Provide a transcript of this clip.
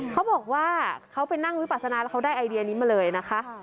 เขาบอกว่าเขาไปนั่งวิปัสนาแล้วเขาได้ไอเดียนี้มาเลยนะคะ